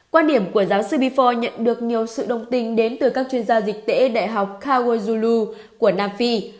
quan điểm của giáo sư bifor nhận được nhiều sự đồng tình đến từ các chuyên gia dịch tễ đại học kawajulu của nam phi